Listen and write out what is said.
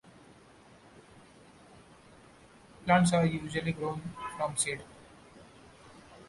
Plants are usually grown from seed.